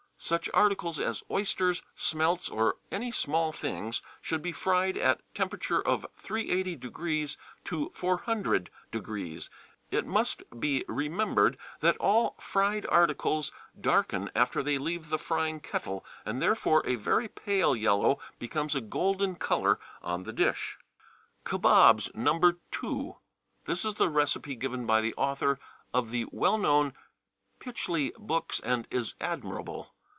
Such articles as oysters, smelts, or any small things, should be fried at a temperature of 380° to 400°. It must be remembered that all fried articles darken after they leave the frying kettle, and therefore a very pale yellow becomes a golden color on the dish. Kabobs No. 2. This is the recipe given by the author of the well known Pytchley Books, and is admirable.